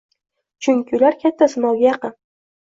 Chunki ular katta sinovga yaqin